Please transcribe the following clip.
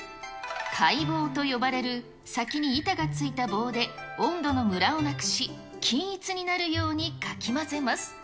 かい棒と呼ばれる、先に板がついた棒で、温度のむらをなくし、均一になるようにかき混ぜます。